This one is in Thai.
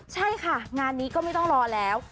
ใช่ค่ะงานนี้ก็ไม่ต้องรอแล้ว